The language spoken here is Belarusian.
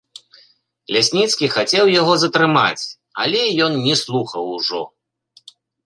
Лясніцкі хацеў яго затрымаць, але ён не слухаў ужо.